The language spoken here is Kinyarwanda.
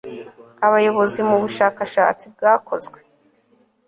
abayobozi mu bushakashatsi bwakozwe